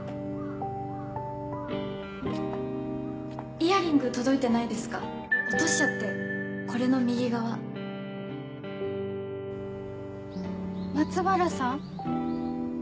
イヤリング届いてないですか落としちゃってこれの右側松原さん？